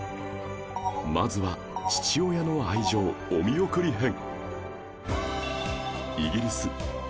まずは父親の愛情お見送り編